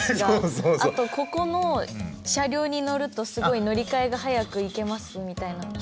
あとここの車両に乗るとすごい乗り換えが早くいけますみたいな。